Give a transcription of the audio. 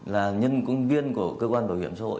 là nhân công viên của cơ quan bảo hiểm xã hội